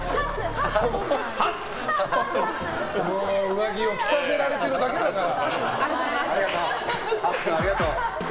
上着を着させられてるだけだから。